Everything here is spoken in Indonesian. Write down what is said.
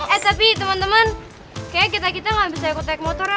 eh tapi temen temen kayaknya kita kita gak bisa ikut naik motornya